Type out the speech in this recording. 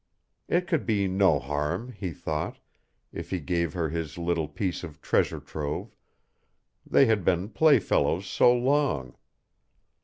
It could be no harm, he thought, if he gave her his little piece of treasure trove, they had been playfellows so long.